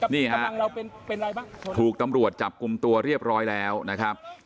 นี่ฮะถูกตำรวจจับกลุ่มตัวเรียบร้อยแล้วนะครับ